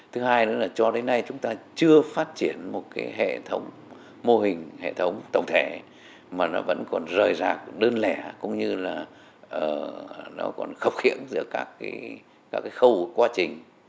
thứ hai nữa là cho đến nay chúng ta chưa phát triển một cái hệ thống mô hình hệ thống tổng thể mà nó vẫn còn rời rạc đơn lẻ cũng như là nó còn khập khiễng giữa các cái khâu quá trình